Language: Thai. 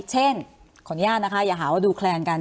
เช่นขออนุญาตนะคะอย่าหาว่าดูแคลนกัน